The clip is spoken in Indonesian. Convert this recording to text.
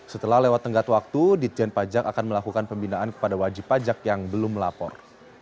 setelah lewat tenggat waktu ditjen pajak akan melakukan pembinaan kepada wajib pajak yang belum melapor